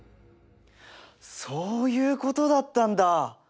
そういうことだったんだ。